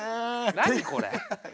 何これ。